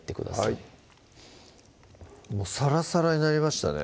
はいもうサラサラになりましたね